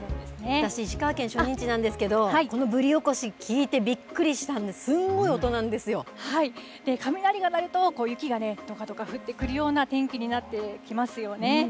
私、石川県、初任地なんですけど、このブリおこし、聞いてびっくりしたんで、雷が鳴ると、雪がどかどか降ってくるような天気になってきますよね。